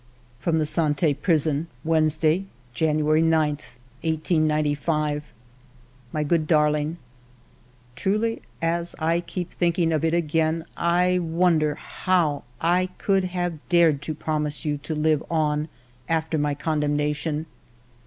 '* From the Sante Prison :— "Wednesday, January 9, 1895. "My Good Darling, —" Truly, as I keep thinking of it again, I wonder how I could have dared to promise you to live on after my condemnation.